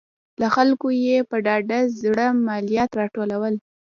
له خلکو یې په ډاډه زړه مالیات راټولول